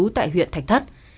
tại huyện thạch thất